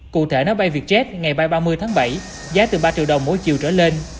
cụ thể nói bay vietjet ngày ba mươi tháng bảy giá từ ba triệu đồng mỗi chiều trở lên